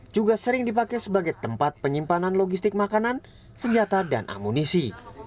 juga sering dipakai sebagai tempat penyimpanan logistik makanan senjata dan amunisi